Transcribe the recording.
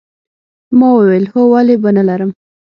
ما وویل هو ولې به نه لرم